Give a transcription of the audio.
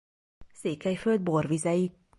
Székelyföld borvizei.